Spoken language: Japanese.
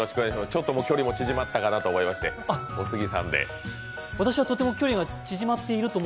ちょっと距離も縮まったかなと思ってお杉さんと。